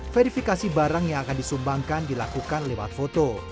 verifikasi barang yang akan disumbangkan dilakukan lewat foto